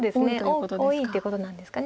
多いっていうことなんですか。